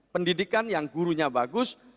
pendidikan yang gurunya bagus